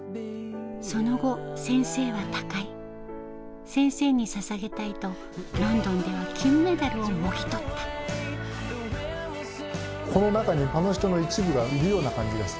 その後先生は他界先生にささげたいと「ロンドン」では金メダルをもぎ取ったこの中にあの人の一部がいるような感じがして。